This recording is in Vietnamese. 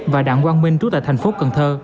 và đảng quang minh trút tại tp hcm